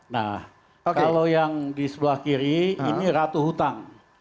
nah kalau yang di sebelah kiri ini ratu hutang